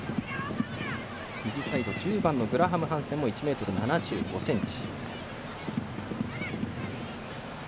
右サイド、１０番のグラハムハンセンも１ｍ７５ｃｍ。